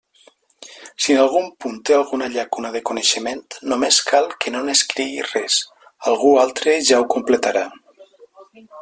Si en algun punt té alguna llacuna de coneixement, només cal que no n'escrigui res: algú altre ja ho completarà.